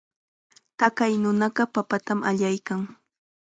Taqay nunaqa papatam allaykan.